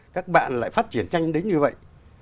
các bạn lại phát triển nhanh đến như vậy